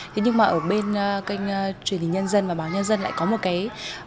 thế nhưng mà ở bên kênh truyền hình nhân dân và báo nhân dân lại có một cái